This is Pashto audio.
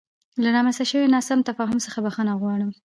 له رامنځته شوې ناسم تفاهم څخه بخښنه غواړم.